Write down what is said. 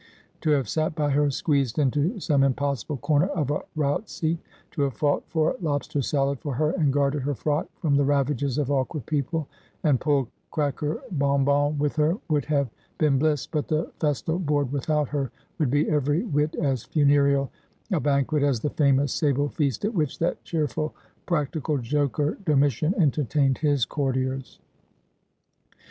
To have sat by her, squeezed into some impossible corner of a rout seat, to have fought for lobster salad for her, and guarded her frock from the ravages of awk ward people, and pulled cracker bon bons with her, would have 224 Ax/jhodel. been bliss ; but the festal board without her would be every whit as funereal a banquet as the famous sable feast at which that cheerful practical joker Domitian entertained his courtiers.